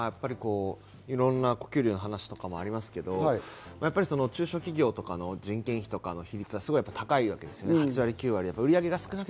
給料の話とかもありますけど、中小企業とかの人件費とかの比率が高いわけですね、８割、９割で。